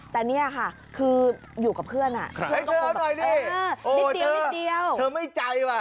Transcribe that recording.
แต่เนี่ยค่ะคืออยู่กับเพื่อนอ่ะเอ้ยเธอเอาหน่อยดินิดเดียวเธอไม่ใจว่ะ